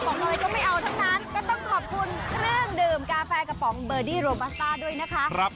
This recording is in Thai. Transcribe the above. ก็ต้องขอบคุณเครื่องดื่มกาแฟกระป๋องเบอร์ดี้โรมาสตาร์ด้วยนะคะ